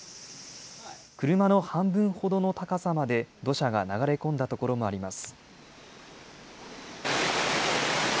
車の半分ほどの高さまで土砂が流れ込んだ所もあります。